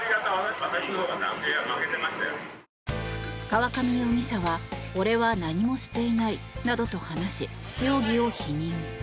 河上容疑者は俺は何もしていないなどと話し容疑を否認。